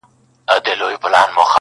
یو څه یم د ډېر وخت څه مې نظر خوړلی دی